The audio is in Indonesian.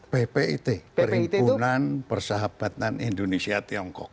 ppit perhimpunan persahabatan indonesia tiongkok